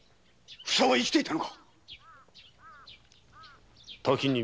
「ふさ」は生きていたのか？